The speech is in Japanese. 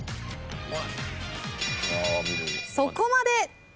そこまで。